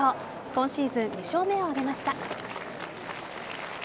今シーズン２勝目を挙げました。